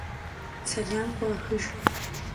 Selam khuaxıjj.